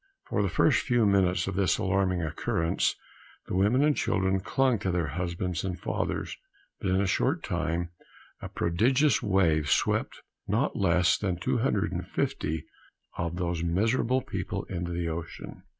For the first few minutes after this alarming occurrence, the women and children clung to their husbands and fathers; but in a short time, a prodigious wave swept not less than 250 of those miserable people into the ocean.